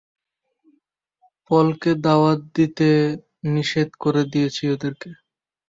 পলকে দাওয়াত দিতে নিষেধ করে দিয়েছি ওদেরকে।